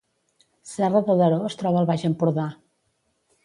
Serra de Daró es troba al Baix Empordà